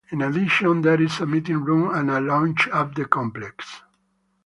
In addition, there is a meeting room and a lounge at the complex.